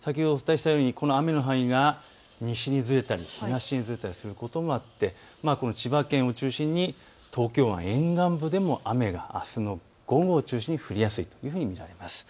この雨の範囲が西にずれたり東にずれたりすることもあって千葉県を中心に東京湾沿岸部でも雨があすの午後を中心に降りやすいと見られます。